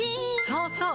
そうそう！